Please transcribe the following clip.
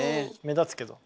目立つけど。